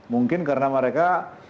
mungkin karena mereka